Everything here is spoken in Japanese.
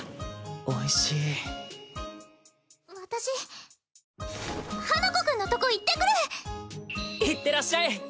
おいしい私花子くんのとこ行ってくる行ってらっしゃい